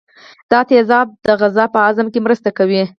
دا تیزاب د غذا په هضم کې مرسته کوي.